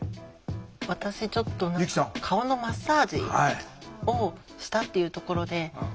私ちょっと何か「顔のマッサージをした」っていうところで。